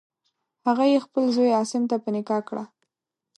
هغه یې خپل زوی عاصم ته په نکاح کړه.